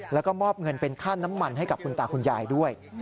แล้วก็มอบเงินเป็นค่าน้ำมันให้กับคุณตาคุณยายด้วย